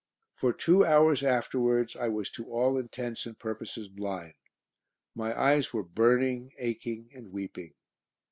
For two hours afterwards I was to all intents and purposes blind. My eyes were burning, aching and weeping.